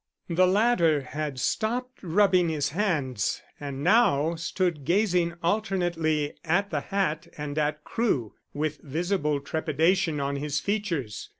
The latter had stopped rubbing his hands and now stood gazing alternately at the hat and at Crewe, with visible trepidation on his features.